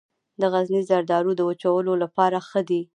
د غزني زردالو د وچولو لپاره ښه دي.